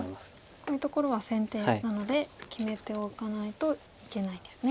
こういうところは先手なので決めておかないといけないですね。